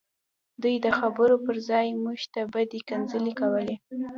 دوی د خبرو پرځای موږ ته بدې کنځلې کولې